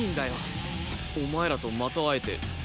お前らとまた会えて単純に。